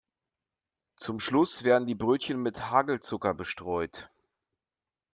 Zum Schluss werden die Brötchen mit Hagelzucker bestreut.